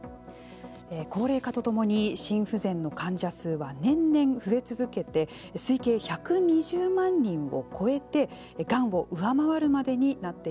高齢化とともに心不全の患者数は年々増え続けて推計１２０万人を超えてがんを上回るまでになっています。